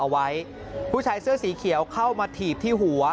เอาไว้ผู้ชายเสื้อสีเขียวเข้ามาถีบที่หัว